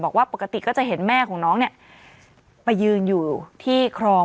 บอกว่าปกติก็จะเห็นแม่ของน้องเนี่ยไปยืนอยู่ที่คลอง